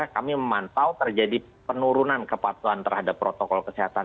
kami memantau terjadi penurunan kepatuhan terhadap protokol kesehatan